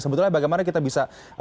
sebetulnya bagaimana kita bisa